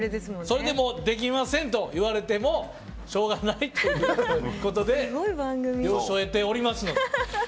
それでもうできませんと言われてもしょうがないということで了承を得ております。